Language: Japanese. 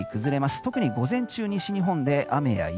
特に午前中、西日本で雨や雪。